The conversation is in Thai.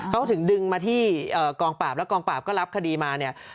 เขาถึงดึงมาที่กองปราบแล้วกองปราบก็รับคดีมาเนี่ย